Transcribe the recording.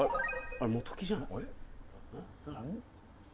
あれ元木じゃない？